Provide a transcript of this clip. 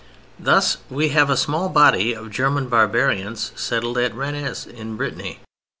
Thus we have a small body of German barbarians settled at Rennes in Brittany.